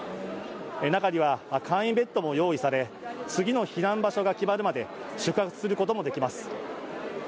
中には簡易ベッドも用意され、次の避難場所が決まるまで宿泊することもできます。